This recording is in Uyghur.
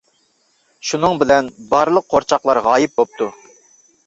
شۇنىڭ بىلەن، بارلىق قورچاقلار غايىب بوپتۇ.